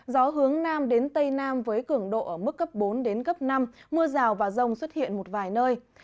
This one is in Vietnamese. gió hướng nam đến tây nam với cường độ ở mức cấp bốn đến cấp năm mưa rào và rông xuất hiện một vài nơi